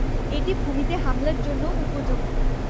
এটি ভূমিতে হামলার জন্যও উপযোগী।